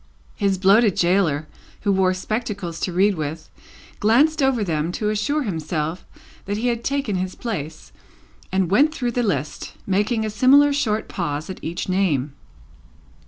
His bloated gaoler, who wore spectacles to read with, glanced over them to assure himself that he had taken his place, and went through the list, making a similar short pause at each name.